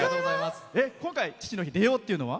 今回父の日に出ようっていうのは。